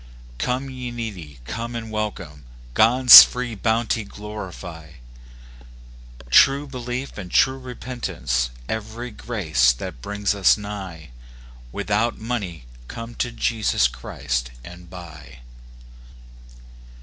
"Come, ye needy, come and welcome, Gfod's free bounty glorify ; True belief, and true repentance. Every grace that brings us nigh, Without money, Come to Jesus Christ and buy."